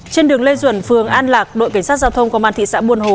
trên đường lê duẩn phường an lạc đội cảnh sát giao thông công an thị xã buôn hồ